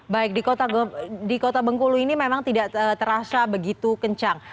baik di kota bengkulu ini memang tidak terasa begitu kencang